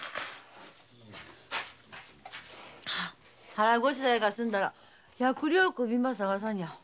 腹ごしらえが済んだら百両首ば捜さにゃ。